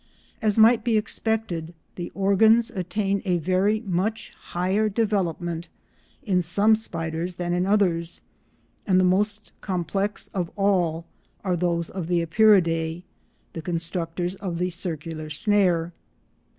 As might be expected, the organs attain a very much higher development in some spiders than in others, and the most complex of all are those of the Epeiridae, the constructors of the circular snare.